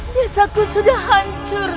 kami sudah hancur